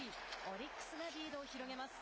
オリックスがリードを広げます。